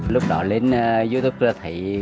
lúc đó lên youtube là thấy